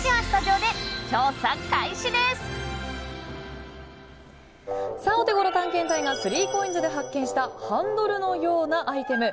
オテゴロ探検隊が３ＣＯＩＮＳで発見したハンドルのようなアイテム。